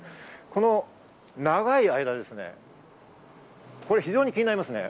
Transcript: この長い間、非常に気になりますね。